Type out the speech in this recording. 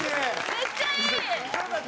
めっちゃいい！